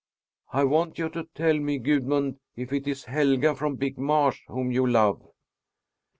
"I want you to tell me, Gudmund, if it is Helga from Big Marsh whom you love."